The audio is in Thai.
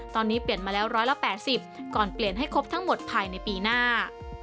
ตอนนี้เปลี่ยนมาแล้ว๑๘๐ก่อนเปลี่ยนให้ครบทั้งหมดภายในปีหน้า